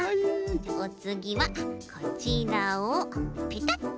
おつぎはこちらをペタッ。